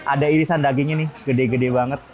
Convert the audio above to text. ada irisan dagingnya nih gede gede banget